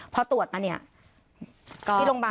พอตรวจมาเนี่ยที่โรงพยาบาลตรวจมาเนี่ย